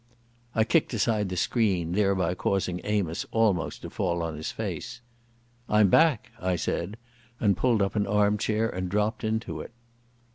I kicked aside the screen, thereby causing Amos almost to fall on his face. "I'm back," I said, and pulled up an arm chair, and dropped into it.